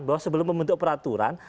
bahwa sebelum membentuk peraturan